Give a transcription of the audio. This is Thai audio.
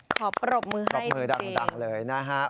ขอปรบมือให้จริงนะฮะโอเค